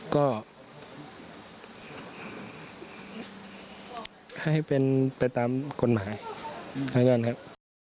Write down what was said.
ก็ให้เป็นไปตามกฎหมายครับ